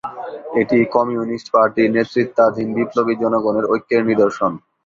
এটি কমিউনিস্ট পার্টির নেতৃত্বাধীন বিপ্লবী জনগণের ঐক্যের নিদর্শন।